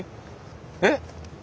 えっ？